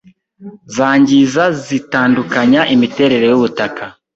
zangiza zitandukanya imiterere y'ubutaka